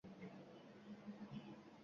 U yashnagan bog’